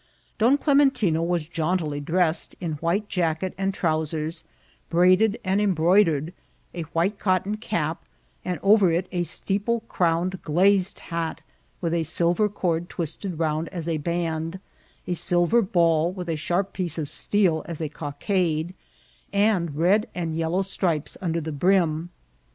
Don Clementino was jauntily dressed in white jacket and trousers, braided and em broidered, a white cotton cap, and over it a steqple* crowned glazed hat, with a silver cord twisted round as a band, a silver ball with a sharp piece of steel as a cockade, and red and yellow stripes under the brim.